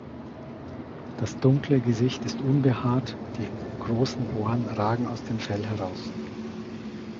Das dunkle Gesicht ist unbehaart, die großen Ohren ragen aus dem Fell heraus.